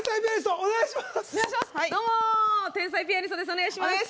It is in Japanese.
お願いします！